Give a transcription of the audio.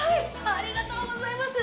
ありがとうございます！